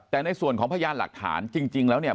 แต่ในส่วนของพยานหลักฐานจริงแล้วเนี่ย